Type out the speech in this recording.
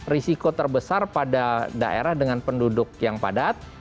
risiko terbesar pada daerah dengan penduduk yang padat